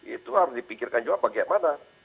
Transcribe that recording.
itu harus dipikirkan juga bagaimana